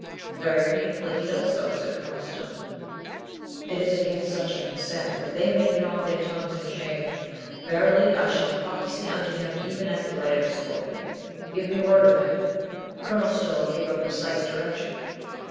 "Very painfully he does so," said Colonel Stow. "It is against such I am sent, that they may gnaw their tongues in shame. Verily, I shall prophesy unto him even as the bite of a scorpion. Give me word of him." Colonel Stow gave a precise direc tion.